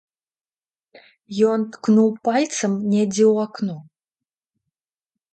Ён ткнуў пальцам недзе ў акно.